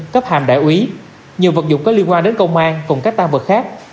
cấp hàm đại úy nhiều vật dụng có liên quan đến công an cùng các tăng vật khác